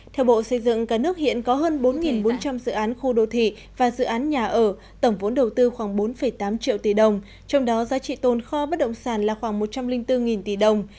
theo bộ xây dựng cả nước hiện có hơn bốn bốn trăm linh dự án khu đô thị và dự án nhà ở tổng vốn đầu tư khoảng bốn tám triệu tỷ đồng trong đó giá trị tồn kho bất động sản là khoảng một trăm linh bốn tỷ đồng